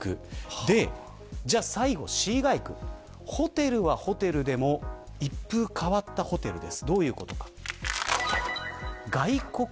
では最後にＣ街区ホテルはホテルでも一風変わったホテルです。